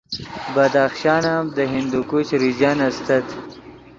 بدخشان ام دے ہندوکش ریجن استت